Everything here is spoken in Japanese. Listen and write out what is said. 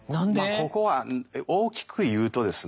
ここは大きく言うとですね